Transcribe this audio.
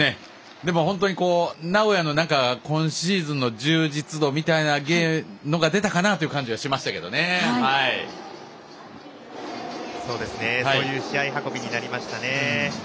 でも、本当に名古屋の今シーズンの充実度みたいなのが出たかなという感じはそういう試合運びになりましたね。